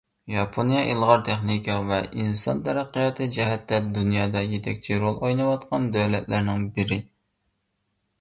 ياپونىيە — ئىلغار تېخنىكا ۋە ئىنسان تەرەققىياتى جەھەتتە دۇنيادا يېتەكچى رول ئويناۋاتقان دۆلەتلەرنىڭ بىرى.